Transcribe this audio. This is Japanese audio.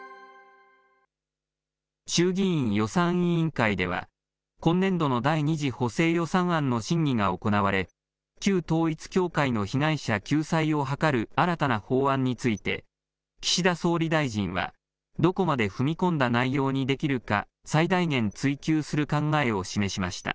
衆議院予算委員会では、今年度の第２次補正予算案の審議が行われ、旧統一教会の被害者救済を図る新たな法案について、岸田総理大臣は、どこまで踏み込んだ内容にできるか、最大限追求する考えを示しました。